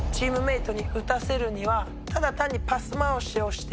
ただ単に。